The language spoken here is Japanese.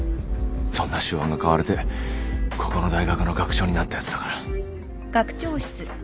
そんな手腕が買われてここの大学の学長になったやつだから。